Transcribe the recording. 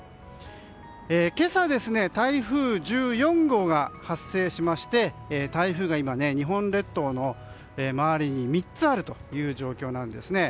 今朝、台風１４号が発生しまして台風が今、日本列島の周りに３つあるという状況なんですね。